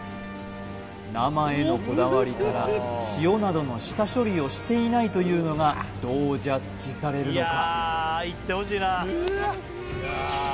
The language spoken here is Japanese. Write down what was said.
生へのこだわりから塩などの下処理をしていないというのがどうジャッジされるのか？